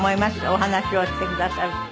お話をしてくださると。